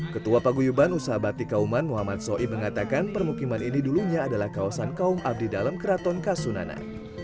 ketua paguyuban usaha batik kauman muhammad soi mengatakan permukiman ini dulunya adalah kawasan kaum abdi dalam keraton kasunanan